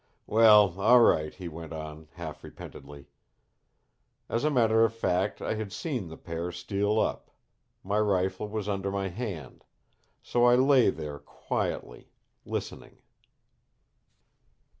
"Well, all right," he went on, half repentantly. "As a matter of fact, I had seen the pair steal up. My rifle was under my hand. So I lay there quietly, listening.